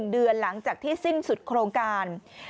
เดือนหลังจากที่สิ้นสุดโครงการ